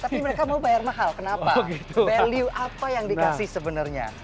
tapi mereka mau bayar mahal kenapa value apa yang dikasih sebenarnya